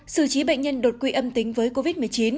xử trí bệnh nhân đột quỵ âm tính với covid một mươi chín